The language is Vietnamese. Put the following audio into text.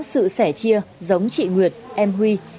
có sự sẻ chia giống chị nguyệt em huy